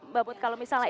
mbak mut kalau misalnya itu